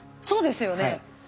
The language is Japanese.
そうですよね。